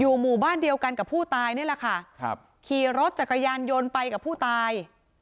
หมู่บ้านเดียวกันกับผู้ตายนี่แหละค่ะครับขี่รถจักรยานยนต์ไปกับผู้ตาย